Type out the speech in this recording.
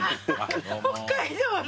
北海道の。